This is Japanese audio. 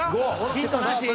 ヒントなし？